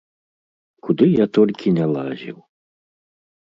Куды я толькі не лазіў.